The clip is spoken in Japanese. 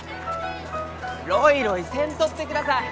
ろいろいせんとってください！